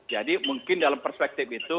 jadi mungkin dalam perspektif itu